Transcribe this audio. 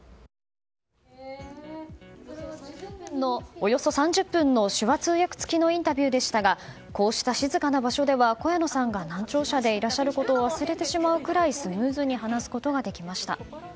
およそ３０分の手話通訳付きのインタビューでしたがこうした静かな場所では小谷野さんが難聴者でいらっしゃることを忘れてしまうくらいスムーズに話すことができました。